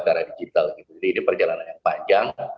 karena digital jadi ini perjalanan yang panjang